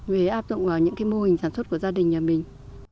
về áp dụng vào những cái mô hình sản xuất của gia đình nhà mình